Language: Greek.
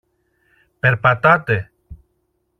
Περπατάτε!